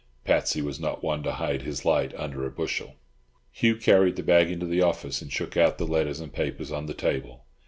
Patsy was not one to hide his light under a bushel. Hugh carried the bag into the office, and shook out the letters and papers on the table.